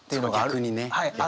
逆にね。